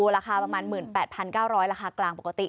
ราคาประมาณ๑๘๙๐๐ราคากลางปกติ